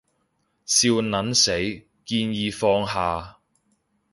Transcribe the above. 笑撚死，建議放下